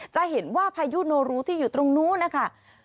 จะเห็นว่าพายุโนรูที่อยู่ตรงนู้นนะคะ